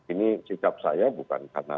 ini sikap saya bukan karena